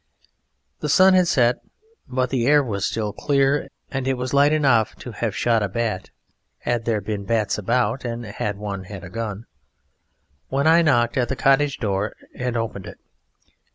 The sun had set, but the air was still clear and it was light enough to have shot a bat (had there been bats about and had one had a gun) when I knocked at the cottage door and opened it.